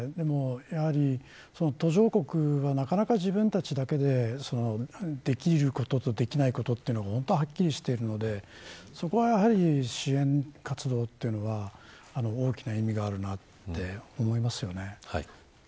でもやはり途上国はなかなか自分たちだけでできることとできないことがはっきりしているのでそこはやはり支援活動というのは大きな意味があるなと思いますよね。